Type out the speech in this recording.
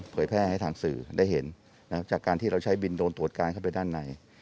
แพร่ให้ทางสื่อได้เห็นนะครับจากการที่เราใช้บินโดนตรวจการเข้าไปด้านใน